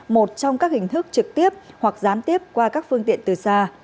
một trong các hình thức trực tiếp hoặc gián tiếp qua các phương tiện từ xa